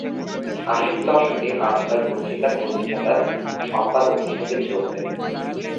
আশির দশকে আজকাল পত্রিকার প্রতিষ্ঠাতা সম্পাদক হিসেবে যোগ দেন।